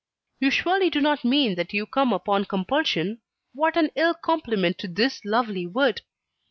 "You surely do not mean that you come upon compulsion? What an ill compliment to this lovely wood."